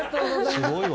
すごいわ。